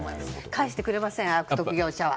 返してくれません、悪徳業者は。